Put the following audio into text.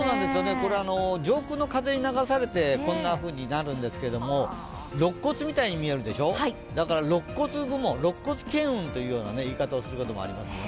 これは上空の風に流されてこんなふうになるんですけど肋骨見たいに見えるでしょ、だから助骨巻雲という言い方をすることもありますね。